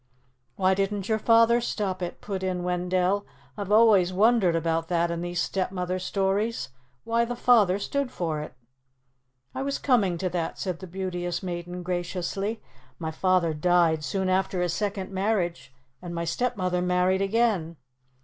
"Why didn't your father stop it?" put in Wendell. "I've always wondered about that in these stepmother stories why the father stood for it." "I was coming to that," said the Beauteous Maiden graciously. "My father died soon after his second marriage, and my stepmother married again."